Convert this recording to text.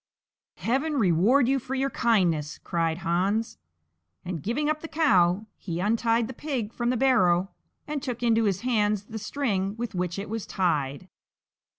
"Heaven reward you for your kindness!" cried Hans; and, giving up the cow, he untied the pig from the barrow and took into his hands the string with which it was tied.